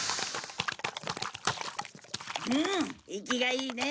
うん生きがいいね！